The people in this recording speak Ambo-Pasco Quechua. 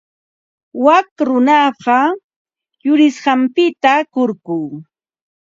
Wak runaqa yurisqanpita kurku.